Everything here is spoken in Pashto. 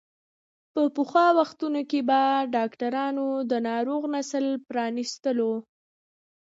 په پخوا وختونو کې به ډاکترانو د ناروغ نس پرانستلو.